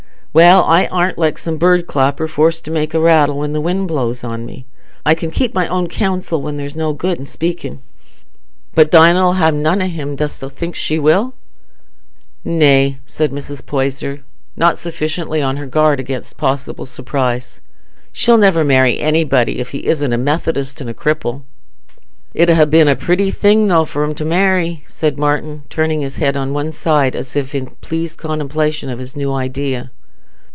"Well, I aren't like a bird clapper, forced to make a rattle when the wind blows on me. I can keep my own counsel when there's no good i' speaking." "But Dinah 'll ha' none o' him. Dost think she will?" "Nay," said Mrs. Poyser, not sufficiently on her guard against a possible surprise, "she'll never marry anybody, if he isn't a Methodist and a cripple." "It 'ud ha' been a pretty thing though for 'em t' marry," said Martin, turning his head on one side, as if in pleased contemplation of his new idea.